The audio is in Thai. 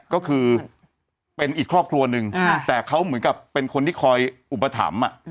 ก็คือเป็นอีกครอบครัวนึงแต่เขาเหมือนกับเป็นคนที่คอยอุปถัมภ์